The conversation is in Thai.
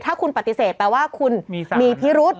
ถ้าคุณปฏิเสธแปลว่าคุณมีพิรุษ